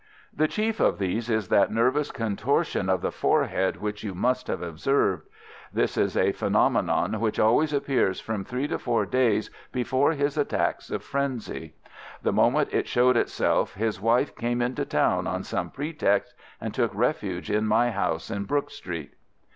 The chief of these is that nervous contortion of the forehead which you must have observed. This is a phenomenon which always appears from three to four days before his attacks of frenzy. The moment it showed itself his wife came into town on some pretext, and took refuge in my house in Brook Street.